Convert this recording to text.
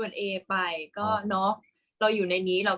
กากตัวทำอะไรบ้างอยู่ตรงนี้คนเดียว